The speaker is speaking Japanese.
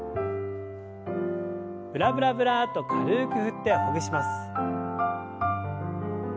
ブラブラブラッと軽く振ってほぐします。